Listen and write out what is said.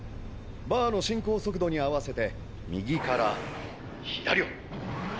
バーの進行速度に合わせて右から左を。